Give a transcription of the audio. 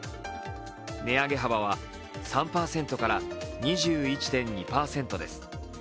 値上げ幅は３％から２１．２％です。